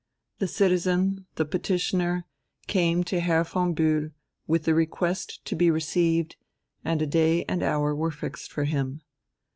The citizen, the petitioner, came to Herr von Bühl with the request to be received, and a day and hour were fixed for him.